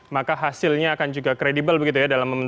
maka hasilnya akan juga kredibel begitu ya dalam hal ini